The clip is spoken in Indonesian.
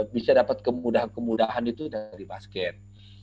bisa dapat kemudahan kemudahan itu dari basket